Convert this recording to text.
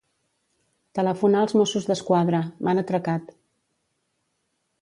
Telefonar als Mossos d'Esquadra; m'han atracat.